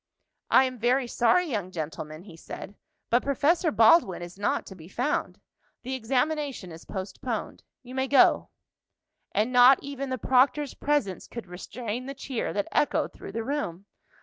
"I am very sorry, young gentlemen," he said, "but Professor Baldwin is not to be found. The examination is postponed. You may go." And not even the proctor's presence could restrain the cheer that echoed through the room.